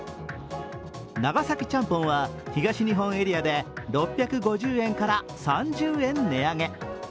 長崎ちゃんぽんは東日本エリアで６５０円から３０円値上げ。